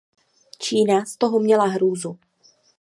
Čína z toho měla hrůzu.